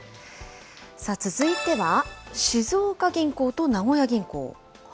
続いては、静岡銀行と名古屋銀行。